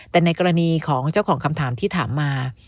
แต่ในกรณีของเจ้าของคำถามที่ถามมา